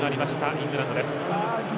イングランドです。